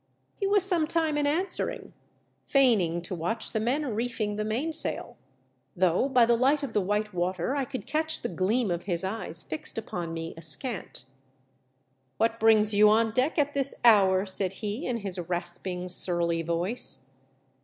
He was some time in answering, feigning to watch the men reefing the mainsail, though Mv lifp: is attemptf.d, 317 by the light of the white water I could catch the gleam of his eyes fixed upon me askant. " What brings you on deck at this hour ?" said he, in his rasping, surly voice.